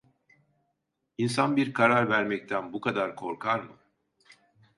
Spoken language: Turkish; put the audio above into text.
İnsan bir karar vermekten bu kadar korkar mı?